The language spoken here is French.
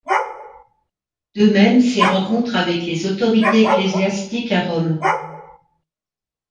De même ses rencontres avec les autorités ecclésiastiques à Rome.